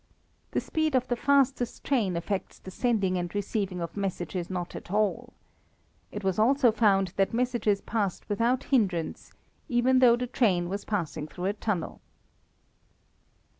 The speed of the fastest train affects the sending and receiving of messages not at all. It was also found that messages passed without hindrance, even though the train was passing through a tunnel.